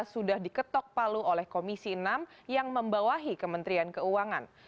sudah diketok palu oleh komisi enam yang membawahi kementerian keuangan